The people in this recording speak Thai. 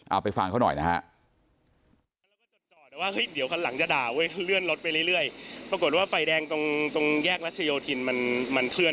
เอาไปฟังเขาหน่อยนะฮะ